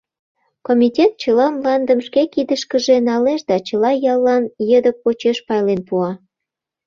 Комитет чыла мландым шке кидышкыже налеш да чыла яллан едок почеш пайлен пуа...